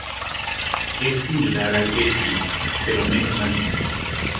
Es similar al kelpie, pero menos maligno.